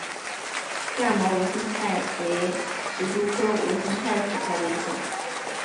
亚毛无心菜为石竹科无心菜属下的一个种。